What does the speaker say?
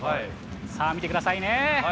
さあ、見てくださいね。